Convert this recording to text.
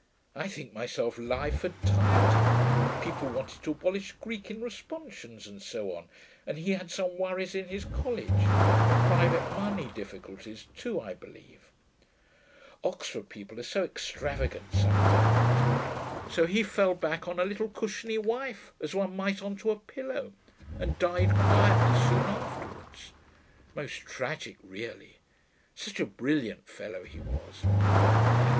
I think myself life had tired him; people wanted to abolish Greek in Responsions, and so on, and he had some worries in his college, and private money difficulties too, I believe; Oxford people are so extravagant sometimes; so he fell back on a little cushiony wife as one might on to a pillow, and died quietly soon afterwards. Most tragic, really; such a brilliant fellow he was....